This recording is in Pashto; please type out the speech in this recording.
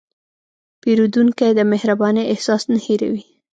پیرودونکی د مهربانۍ احساس نه هېروي.